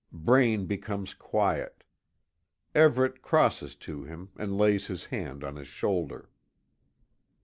Braine becomes quiet. Everet crosses to him, and lays his hand on his shoulder.